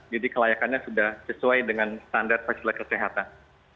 jadi kelayakannya sudah sesuai dengan standar fakultas kesehatan